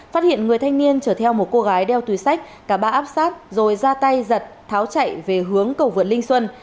phát hiện người thanh niên chở theo một cô gái đeo túi sách cả ba áp sát rồi ra tay giật tháo chạy về hướng cầu vượt linh xuân